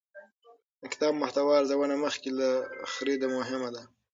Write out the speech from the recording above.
د کتاب محتوا ارزونه مخکې له خرید مهمه ده.